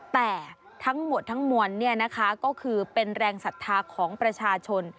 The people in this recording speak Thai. แต่ทั้งหมดทั้งมวลก็คือเป็นแรงศรัทธาของประชาชน